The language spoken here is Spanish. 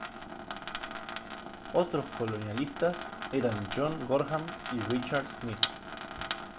Otros colonialistas eran John Gorham y Richard Smith.